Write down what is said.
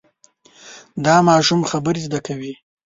دا ماشوم خبرې زده کوي.